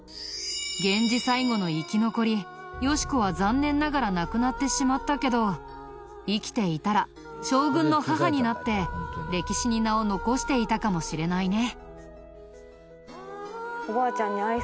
源氏最後の生き残りよし子は残念ながら亡くなってしまったけど生きていたら将軍の母になって歴史に名を残していたかもしれないね。